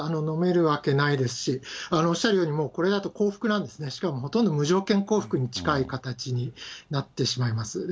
のめるわけないですし、おっしゃるように、これだと降伏なんですね、しかもほとんど無条件降伏に近い形になってしまいます。